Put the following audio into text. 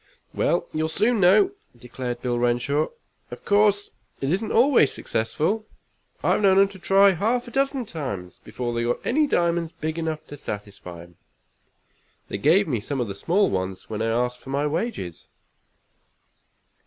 "Well, you'll soon know," declared Bill Renshaw. "Of course it isn't always successful. I've known 'em to try half a dozen times before they got any diamonds big enough to satisfy 'em. They gave me some of the small ones when I asked for my wages.